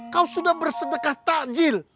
kau sudah bersedekah takjil